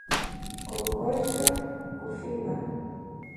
kongosho kuvimba